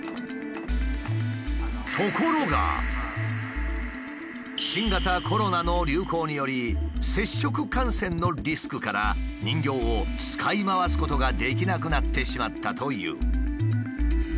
ところが新型コロナの流行により接触感染のリスクから人形を使い回すことができなくなってしまったという。